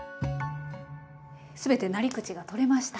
すべてなり口が取れました。